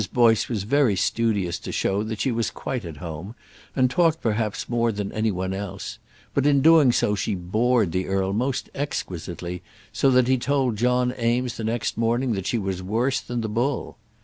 Boyce was very studious to show that she was quite at home, and talked perhaps more than any one else; but in doing so she bored the earl most exquisitely, so that he told John Eames the next morning that she was worse than the bull.